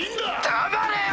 黙れよ！